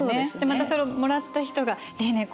またそれをもらった人がねえねえ